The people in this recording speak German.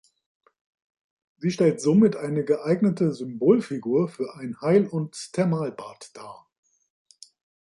Sie stellt somit eine geeignete Symbolfigur für ein Heil- und Thermalbad dar.